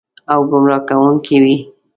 او ګمراه کوونکې وي.